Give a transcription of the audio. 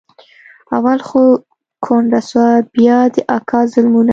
اول خو کونډه سوه بيا د اکا ظلمونه.